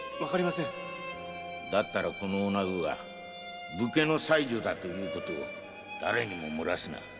〔だったらこのおなごが武家の妻女だということを誰にも漏らすな。